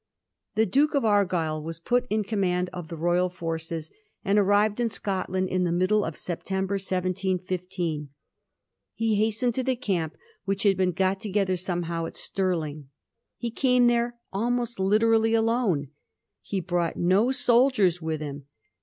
The Duke of Argyll was put in command of the royal forces, and arrived in Scotland in the middle of September, 1715. He hastened to the camp, which had been got together somehow at Stirling. He came there almost literally alone. He brought no soldiers with him.